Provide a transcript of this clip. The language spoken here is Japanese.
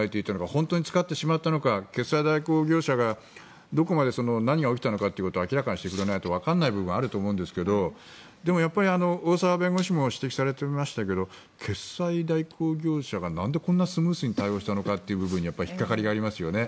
本当に使ってしまったのか決済代行業者がどこまで何が起きたのかってことを明らかにしてくれないとわからない部分はあると思うんですがでもやっぱり大澤弁護士も指摘されておりましたけど決済代行業者がなんでこんなスムーズに対応したのかという部分に引っかかりがありますよね。